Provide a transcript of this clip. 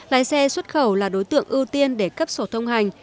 lái xe xuất khẩu là đối tượng ưu tiên để cấp sổ thông hành